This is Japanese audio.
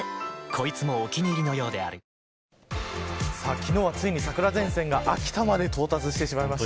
昨日はついに桜前線が秋田まで到達してしまいました。